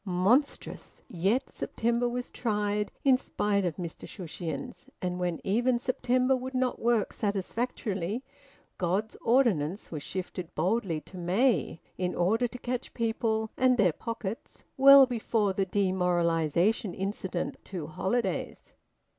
Monstrous! Yet September was tried, in spite of Mr Shushions, and when even September would not work satisfactorily, God's ordinance was shifted boldly to May, in order to catch people, and their pockets well before the demoralisation incident to holidays.